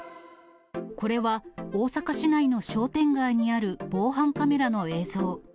これは、大阪市内の商店街にある防犯カメラの映像。